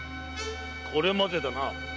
これまでだな。